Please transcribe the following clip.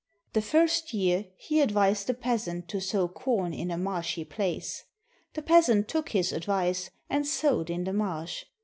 The first year he advised the peasant to sow corn in a marshy place. The peasant took his advice, and sowed in the marsh.